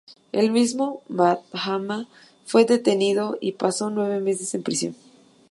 El mismo Mahatma fue detenido y pasó nueve meses en prisión.